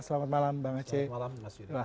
selamat malam mas yudhoy